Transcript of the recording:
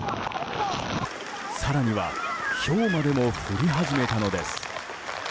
更にはひょうまでも降り始めたのです。